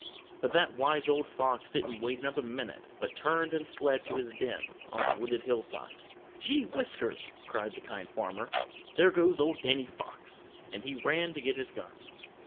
But that wise old fox didn't wait another minute but turned and fled to his den on the wooded hillside. "Gee whiskers!" cried the Kind Farmer, "there goes old Danny Fox," and he ran to get his gun.